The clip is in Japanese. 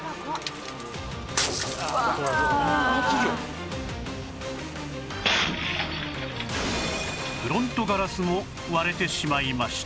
「うわあ」フロントガラスも割れてしまいました